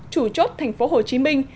chủ chốt thành phố hồ chí minh